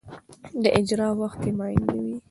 د اجرا وخت یې معین نه وي.